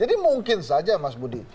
jadi mungkin saja mas budi